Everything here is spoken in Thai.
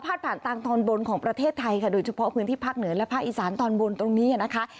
ผ่านทางตอนบนของประเทศไทยค่ะโดยเฉพาะพื้นที่ภาคเหนือและภาคอีสานตอนบนตรงนี้นะคะ